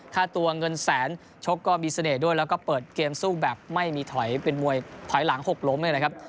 ค่าตัวเงินแสนชกก็มีเสน่ห์ด้วยแล้วก็เปิดเกมสู้แบบไม่มีถอยเป็นมวยถอยหลังหกล้มเลยนะครับ